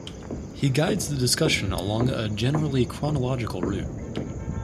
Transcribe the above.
He guides the discussion along a generally chronological route.